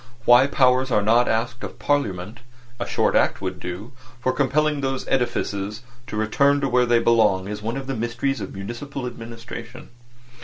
Why powers are not asked of Parliament (a short act would do) for compelling those edifices to return where they belong is one of the mysteries of municipal administration.